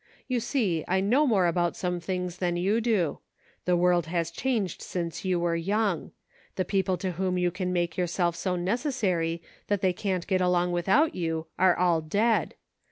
You see I know more about some things than you do ; the world has changed since you were young ; the peo ple to whom you can make yourself so necessary that they can't get along without you, are all dead.